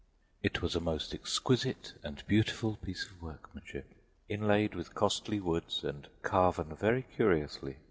It was a most exquisite and beautiful piece of workmanship inlaid with costly woods and carven very curiously.